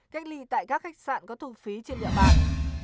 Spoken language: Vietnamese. cách ly tại các khách sạn có thu phí trên địa bàn